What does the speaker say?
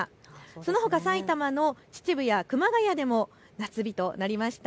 そのほか埼玉の秩父や熊谷でも夏日となりました。